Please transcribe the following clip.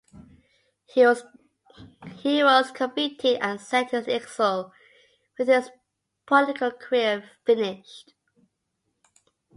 He was convicted and sentenced to exile, with his political career finished.